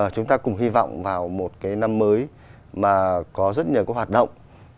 chúng ta cùng hy vọng vào một cái năm mới mà có rất nhiều các hoạt động